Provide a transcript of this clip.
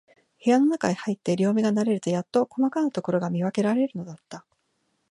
部屋のなかへ入って、両眼が慣れるとやっと、こまかなところが見わけられるのだった。